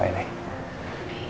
ada ada apa enek